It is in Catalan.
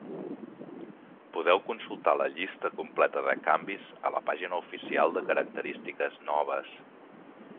Podeu consultar la llista completa de canvis a la pàgina oficial de característiques noves.